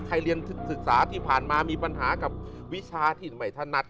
เรียนศึกษาที่ผ่านมามีปัญหากับวิชาที่ไม่ถนัด